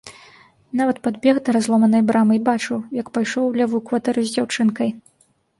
Нават падбег да разломанай брамы і бачыў, як пайшоў у левую кватэру з дзяўчынкай.